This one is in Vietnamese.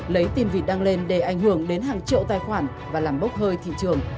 lấy tiền vịt đăng lên để ảnh hưởng đến hàng triệu tài khoản và làm bốc hơi thị trường